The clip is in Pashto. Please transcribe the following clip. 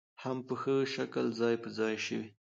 هم په ښه شکل ځاى په ځاى شوې